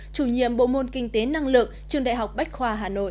chủ nhiệm bộ môn kinh tế năng lượng trường đại học bách khoa hà nội